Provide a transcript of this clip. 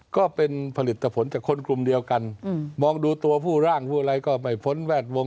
ก็เป็นผลิตผลจากคนกลุ่มเดียวกันมองดูตัวผู้ร่างผู้อะไรก็ไม่พ้นแวดวง